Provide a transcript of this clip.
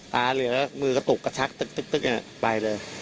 ตาเหลือมือกระตุกกระชักไปเลย